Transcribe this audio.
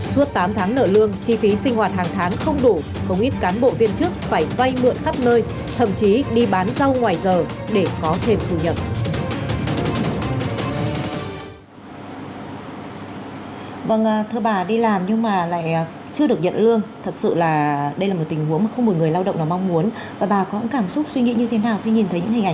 suốt tám tháng nợ lương chi phí sinh hoạt hàng tháng không đủ công nghiệp cán bộ viên chức phải vay mượn khắp nơi